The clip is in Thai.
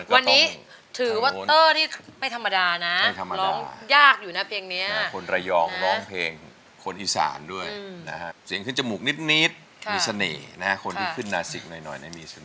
เขาจะเป็นคนทำเพลงอยู่ตลอด